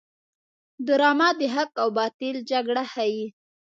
ډرامه د حق او باطل جګړه ښيي